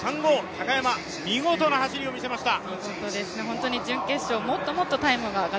高山、見事な走りをみせました。